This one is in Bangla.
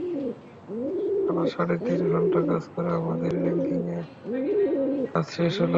টানা সাড়ে তিন ঘণ্টা কাজ করে আমাদের প্যাকিংয়ের কাজ শেষ হলো।